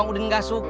ibu gue mau suruh uya